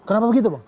kenapa begitu bang